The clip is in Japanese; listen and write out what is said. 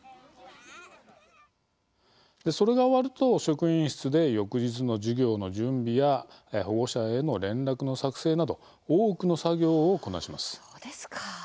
それが終わると職員室で翌日の授業の準備や保護者への連絡の作成など多くの作業をこなします。